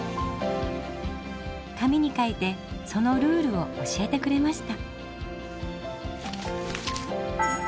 紙に書いてそのルールを教えてくれました。